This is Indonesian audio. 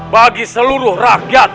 bagi seluruh rakyat